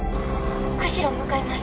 釧路向かいます。